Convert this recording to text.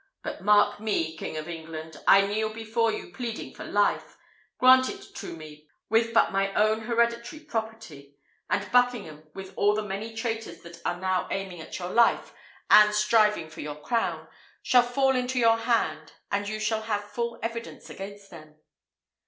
But mark me, King of England! I kneel before you pleading for life; grant it to me, with but my own hereditary property, and Buckingham, with all the many traitors that are now aiming at your life and striving for your crown, shall fall into your hand, and you shall have full evidence against them.